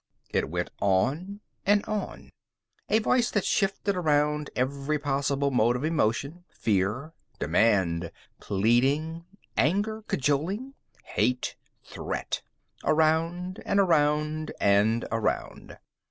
_ It went on and on. A voice that shifted around every possible mode of emotion. Fear. Demand. Pleading. Anger. Cajoling. Hate. Threat. Around and around and around.